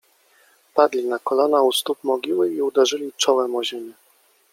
Padli na kolana u stóp mogiły i uderzyli czołem o ziemię.